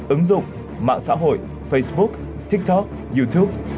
ứng dụng mạng xã hội facebook tiktok youtube